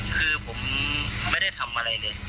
คือผมไม่ได้ทำอะไรเลย